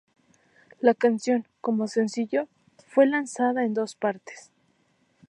La canción, como sencillo, fue lanzada en dos partes.